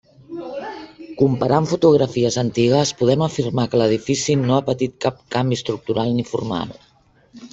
Comparant fotografies antigues podem afirmar que l'edifici no ha patit cap canvi estructural ni formal.